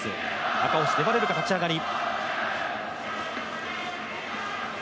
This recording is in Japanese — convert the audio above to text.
赤星、粘れるか立ち上がり。